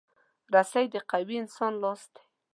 رسۍ د قوي انسان لاس دی.